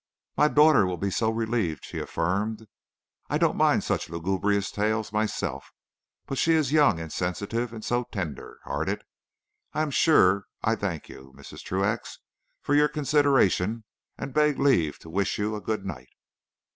"My daughter will be so relieved," she affirmed. "I don't mind such lugubrious tales myself, but she is young and sensitive, and so tender hearted. I am sure I thank you, Mrs. Truax, for your consideration, and beg leave to wish you a good night."